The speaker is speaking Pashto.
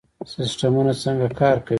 سیستمونه څنګه کار کوي؟